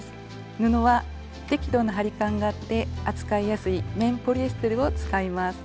布は適度な張り感があって扱いやすい綿ポリエステルを使います。